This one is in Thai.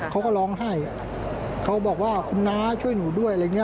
เขาก็ร้องไห้เขาบอกว่าคุณน้าช่วยหนูด้วยอะไรอย่างนี้